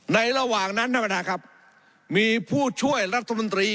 ในระหว่างนั้นมีผู้ช่วยรัฐบนตรี